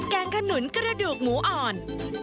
แกงกะหนุนกระดูกหมูอ่อน